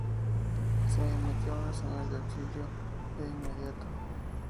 Se emitió una señal de auxilio de inmediato.